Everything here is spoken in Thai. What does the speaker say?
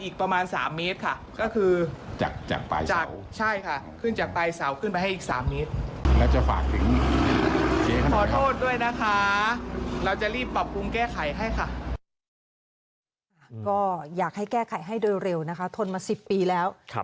ก็อยากให้แก้ไขให้โดยเร็วนะคะทนมา๑๐ปีแล้ว